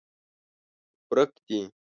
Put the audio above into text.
ورک دي